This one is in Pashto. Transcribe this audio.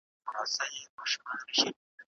ماسومان باید د کیسو په لوستلو عادت سي.